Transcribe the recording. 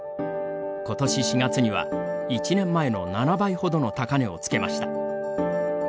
ことし４月には、１年前の７倍ほどの高値を付けました。